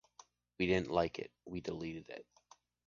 We didn't like it, we deleted it